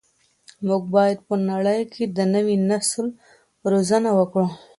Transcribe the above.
موږ باید په نړۍ کي د نوي نسل روزنه وکړو.